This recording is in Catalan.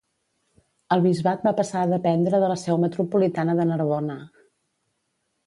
El bisbat va passar a dependre de la seu metropolitana de Narbona.